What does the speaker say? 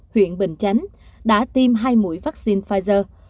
huyện bình chánh đã tìm hai mũi vaccine pfizer